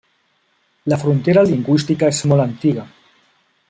La frontera lingüística és molt antiga.